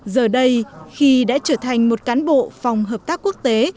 giờ đây khi đã trở thành một cán bộ phòng hợp tác quốc tế